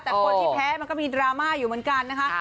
แต่คนที่แพ้มันก็มีดราม่าอยู่เหมือนกันนะคะ